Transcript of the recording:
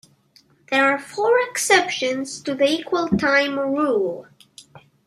There are four exceptions to the equal-time rule.